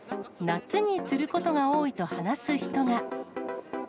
夏につることが多いと話す人が。